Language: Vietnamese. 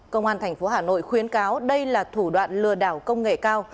công an thành phố hà nội khuyến cáo đây là thủ đoạn lừa đảo công nghệ cao